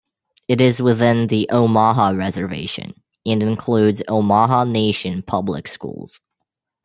It is within the Omaha Reservation, and includes Omaha Nation Public Schools.